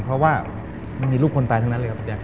เพราะว่ามันมีลูกคนตายทั้งนั้นเลยครับพี่แจ๊